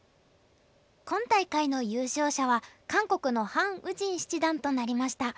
今大会の優勝者は韓国のハン・ウジン七段となりました。